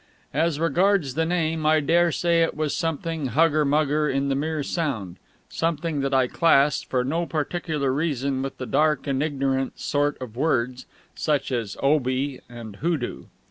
As regards the name, I dare say it was something huggermugger in the mere sound something that I classed, for no particular reason, with the dark and ignorant sort of words, such as "Obi" and "Hoodoo."